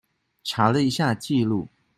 查了一下記錄